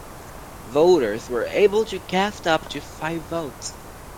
Voters were able to cast up to five votes.